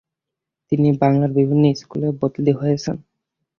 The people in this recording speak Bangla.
তিনি বাংলার বিভিন্ন স্কুলে বদলি হয়েছেন।